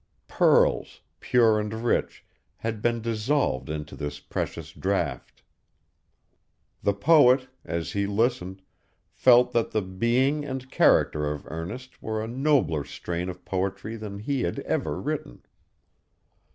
Pearls, pure and rich, had been dissolved into this precious draught. The poet, as he listened, felt that the being and character of Ernest were a nobler strain of poetry than he had ever written.